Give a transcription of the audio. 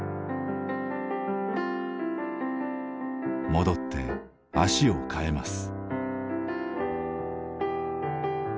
戻って脚を替えます。